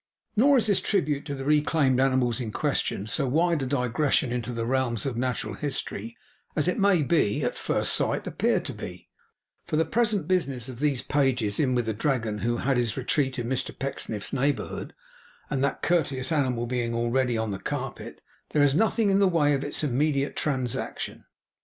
Nor is this tribute to the reclaimed animals in question so wide a digression into the realms of Natural History as it may, at first sight, appear to be; for the present business of these pages in with the dragon who had his retreat in Mr Pecksniff's neighbourhood, and that courteous animal being already on the carpet, there is nothing in the way of its immediate transaction.